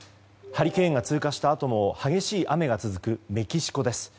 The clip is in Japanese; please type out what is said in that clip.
ハリケーンが通過したあとも激しい雨が続くメキシコです。